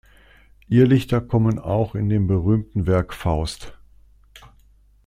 Irrlichter kommen auch in dem berühmten Werk "Faust.